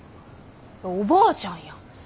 おばあちゃんやん。